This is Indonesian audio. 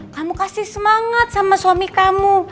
kamu kasih semangat sama suami kamu